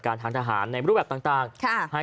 พอพาไปดูก็จะพาไปดูที่เรื่องของเครื่องบินเฮลิคอปเตอร์ต่าง